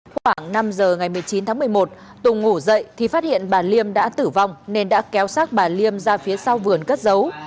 khoảng năm giờ ngày một mươi chín tháng một mươi một tùng ngủ dậy thì phát hiện bà liêm đã tử vong nên đã kéo sát bà liêm ra phía sau vườn cất giấu